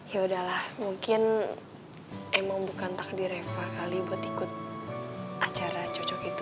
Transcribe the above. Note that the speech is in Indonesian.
ya udahlah mungkin emang bukan takdir eva kali buat ikut acara cocok itu